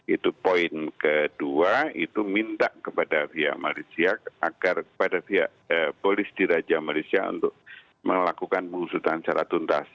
itu poin kedua itu minta kepada via malaysia agar pada via polis diraja malaysia untuk melakukan pengusutan secara tuntas